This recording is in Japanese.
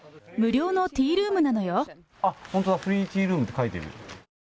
あっ、本当だ、フリーティールームって書いてある。